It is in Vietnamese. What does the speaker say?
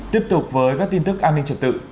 tiếp tục với các tin tức an ninh trật tự